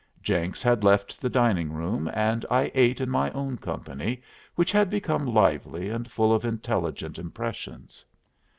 Jenks had left the dining room, and I ate in my own company, which had become lively and full of intelligent impressions.